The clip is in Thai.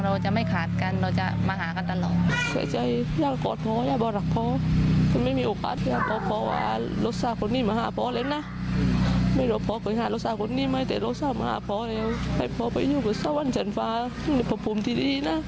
เราจะไม่ขาดกันเราจะมาหากันตลอด